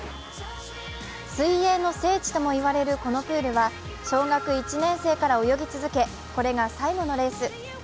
水泳の聖地とも言われるこのプールは小学１年生から泳ぎ続け、これが最後のレース。